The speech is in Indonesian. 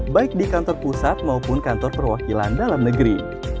baik di kantor pusat maupun kantor perwakilan dalam negeri